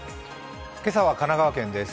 今朝は神奈川県です。